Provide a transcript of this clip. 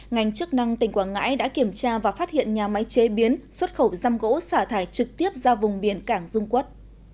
ngành chức năng tỉnh quảng ngãi đã kiểm tra và phát hiện nhà máy chế biến xuất khẩu răm gỗ xả thải trực tiếp ra vùng biển cảng dung quốc